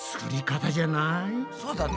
そうだね。